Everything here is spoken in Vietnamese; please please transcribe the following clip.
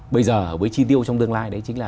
bây giờ với chi tiêu trong tương lai đấy chính là